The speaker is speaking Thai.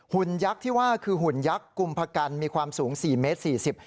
ุ่นยักษ์ที่ว่าคือหุ่นยักษ์กุมพกันมีความสูง๔เมตร๔๐